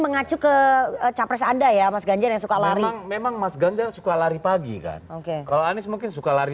mengacu ke capres anda ya mas ganjar yang suka lari memang mas ganjar suka lari pagi kan oke kalau anies mungkin suka lari